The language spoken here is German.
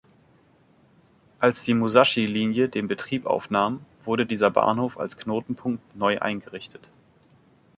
Als die Musashi-Linie den Betrieb aufnahm, wurde dieser Bahnhof als Knotenpunkt neu eingerichtet.